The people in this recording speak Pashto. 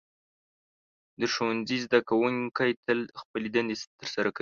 د ښوونځي زده کوونکي تل خپلې دندې ترسره کوي.